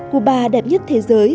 cụ bà đẹp nhất thế giới